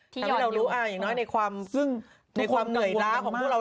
ทำให้เรารู้อ้างอย่างน้อยในความเหนื่อยล้าของพวกเรา